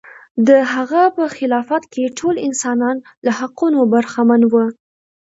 د هغه په خلافت کې ټول انسانان له حقونو برخمن و.